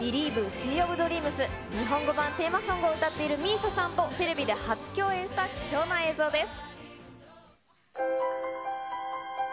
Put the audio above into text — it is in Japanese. シー・オブ・ドリームス、日本語版テーマソングを歌っているＭＩＳＩＡさんとテレビで初共演した貴重な映像です。